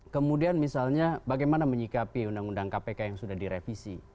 kemudian misalnya bagaimana menyikapi undang undang kpk yang sudah direvisi